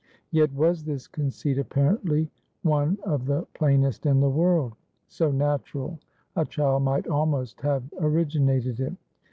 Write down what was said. Yet was this conceit apparently one of the plainest in the world; so natural, a child might almost have originated it.